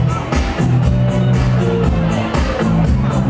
ไม่ต้องถามไม่ต้องถาม